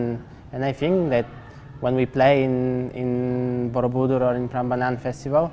dan saya pikir ketika kita bermain di borobudur atau di prambanan festival